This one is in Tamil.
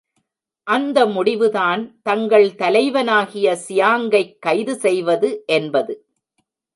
அந்த முடிவுதான் தங்கள் தலைவனாகிய சியாங்கைக் கைது செய்வது என்பது.